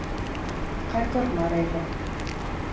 Ҡайғырма, Рәйлә.